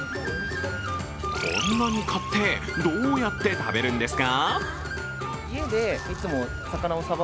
こんなに買って、どうやって食べるんですか？